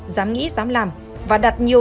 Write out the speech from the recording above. dám nghĩ dám làm và đặt nhiều